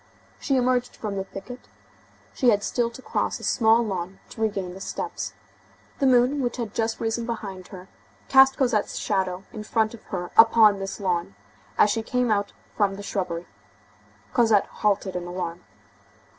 She emerged from "the thicket"; she had still to cross a small lawn to regain the steps. The moon, which had just risen behind her, cast Cosette's shadow in front of her upon this lawn, as she came out from the shrubbery. Cosette halted in alarm.